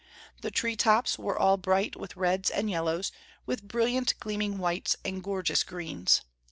The tree tops were all bright with reds and yellows, with brilliant gleaming whites and gorgeous greens.